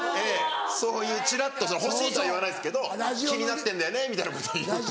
そういうチラっと欲しいとは言わないですけど気になってんだよねみたいなことを言うと。